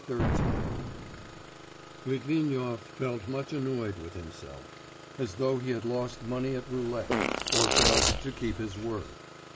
XIII Litvinov felt much annoyed with himself, as though he had lost money at roulette, or failed to keep his word.